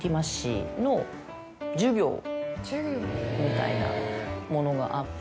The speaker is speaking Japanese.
みたいなものがあって。